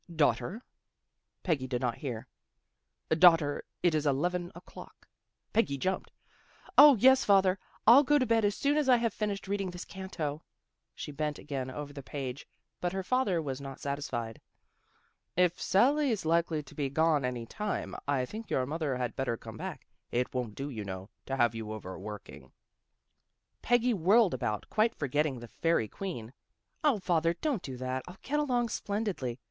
" Daughter." Peggy did not hear. " Daughter, it is eleven o'clock." Peggy jumped. " O, yes, father. I'll go to bed as soon as I have finished reading this canto." She bent again over the page, but her father was not satisfied. " If Sally's likely to be gone any time, I think your mother had better come back. It won't do, you know, to have you over working " Peggy whirled about, quite forgetting the " Fairie Queen." " 0, father, don't do that. I'll get along splendidly.